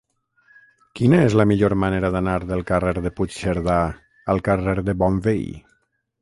Quina és la millor manera d'anar del carrer de Puigcerdà al carrer de Bonveí?